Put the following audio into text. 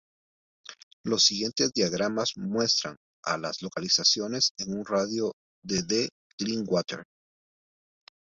El siguiente diagrama muestra a las localidades en un radio de de Clearwater.